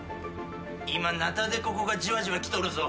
今ナタデココがじわじわきとるぞ。